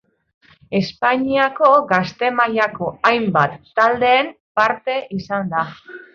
Espainiako gazte mailako hainbat taldeen parte izan da.